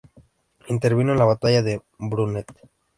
Intervino en la batalla de Brunete.